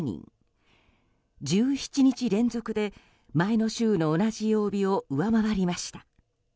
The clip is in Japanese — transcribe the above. １７日連続で前の週の同じ曜日を上回りました。